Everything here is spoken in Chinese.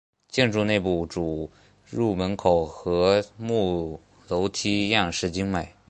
建筑内部主入口门和木楼梯样式精美。